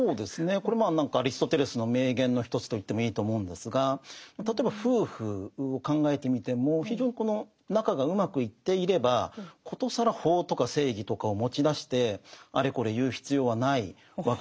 これもアリストテレスの名言の一つと言ってもいいと思うんですが例えば夫婦を考えてみても非常にこの仲がうまくいっていれば殊更法とか正義とかを持ち出してあれこれ言う必要はないわけですよね。